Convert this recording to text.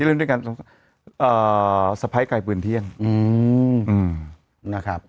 ที่เล่นด้วยกันเอ่อสะพ้ายกายปืนเที่ยงอืมอืมนะครับ